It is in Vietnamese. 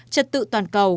trật tự toàn cầu